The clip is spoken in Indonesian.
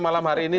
malam hari ini